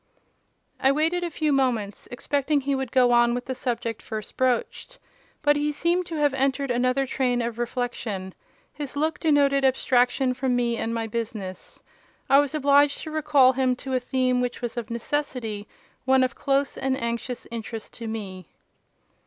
I waited a few moments, expecting he would go on with the subject first broached: but he seemed to have entered another train of reflection: his look denoted abstraction from me and my business. I was obliged to recall him to a theme which was of necessity one of close and anxious interest to me.